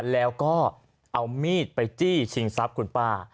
แล้วก็เอามีดไปจี้ชิงทรัพย์คุณป้า